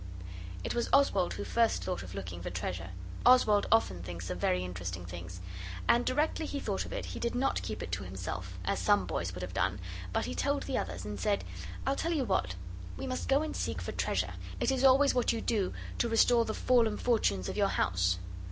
It was Oswald who first thought of looking for treasure. Oswald often thinks of very interesting things. And directly he thought of it he did not keep it to himself, as some boys would have done, but he told the others, and said 'I'll tell you what, we must go and seek for treasure: it is always what you do to restore the fallen fortunes of your House.